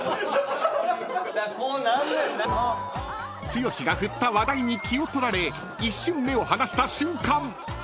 ［剛が振った話題に気を取られ一瞬目を離した瞬間］